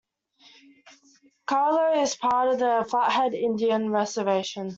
Charlo is a part of the Flathead Indian Reservation.